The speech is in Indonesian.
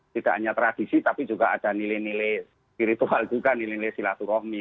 tidak hanya tradisi tapi juga ada nilai nilai spiritual juga nilai nilai silaturahmi